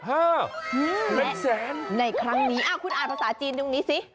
ฮ่าแม่งแสนและในครั้งนี้อ้าวคุณอ่านภาษาจีนตรงนี้สิ